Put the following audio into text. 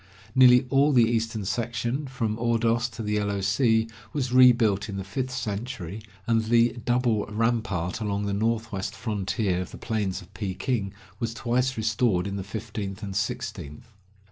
Nearly all the eastern section, from Ordos to the Yellow Sea, was rebuilt in the fifth century, and the double rampart along the northwest frontier of the plains of Peking was twice restored in the fifteenth and sixteenth.